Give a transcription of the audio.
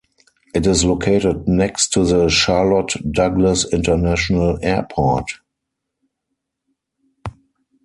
It is located next to the Charlotte-Douglas International Airport.